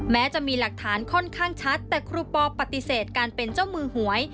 แม้จะมีหลักฐานค่อนข้างชัดแต่ครูปอปฏิเสธการเป็นเจ้ามือหวย